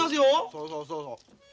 そうそうそうそう。